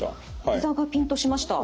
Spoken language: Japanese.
ひざがピンとしました。